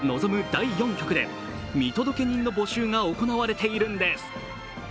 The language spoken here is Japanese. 第４局で見届け人の募集が行われているんです。